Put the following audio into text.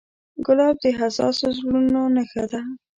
ګلاب د حساسو زړونو نښه ده.